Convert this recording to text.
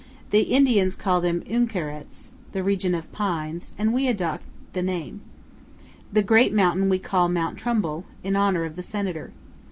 The Indians call them Uinkarets, the region of pines, and we adopt the name. The great mountain we call Mount Trumbull, in honor of the senator.